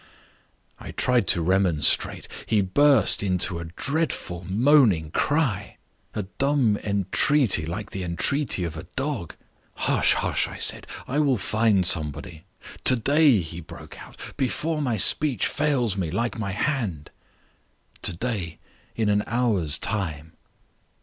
I tried to remonstrate. He burst into a dreadful moaning cry a dumb entreaty, like the entreaty of a dog. 'Hush! hush!' I said, 'I will find somebody.' 'To day!' he broke out, 'before my speech fails me, like my hand.' 'To day, in an hour's time.